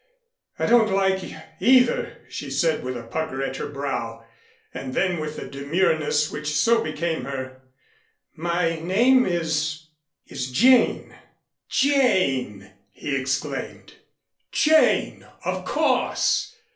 "I don't like either," she said with a pucker at her brow. And then with the demureness which so became her. "My name is is Jane." "Jane!" he exclaimed. "Jane! of course.